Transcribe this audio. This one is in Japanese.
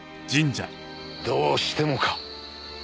どうしてもか？